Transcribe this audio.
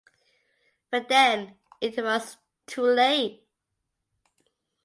But then it was too late.